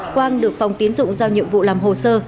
quang được phòng tiến dụng giao nhiệm vụ làm hồ sơ